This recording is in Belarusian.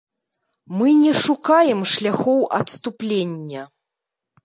Мы не шукаем шляхоў адступлення.